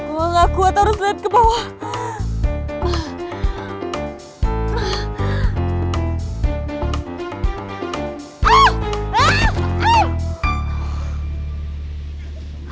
gue gak kuat harus liat ke bawah